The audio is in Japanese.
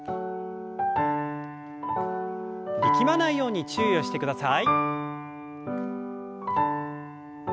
力まないように注意をしてください。